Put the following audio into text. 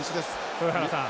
豊原さん